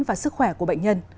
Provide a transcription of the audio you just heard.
và sức khỏe của bác sĩ